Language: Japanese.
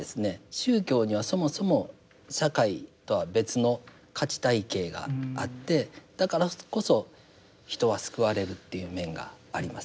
宗教にはそもそも社会とは別の価値体系があってだからこそ人は救われるっていう面があります。